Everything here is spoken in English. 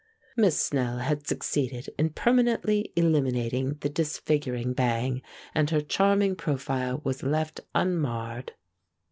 Miss Snell had succeeded in permanently eliminating the disfiguring bang, and her charming profile was left unmarred.